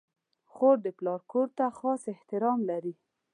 خور د پلار کور ته خاص احترام لري.